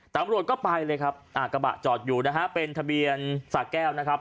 ตำรวจก็ไปเลยครับอ่ากระบะจอดอยู่นะฮะเป็นทะเบียนสะแก้วนะครับ